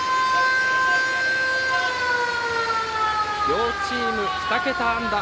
両チーム２桁安打。